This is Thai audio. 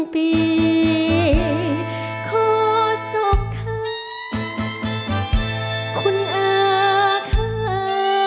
ขอศพค่ะคุณอาค่ะ